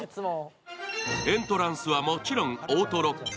エントランスはもちろんオートロック。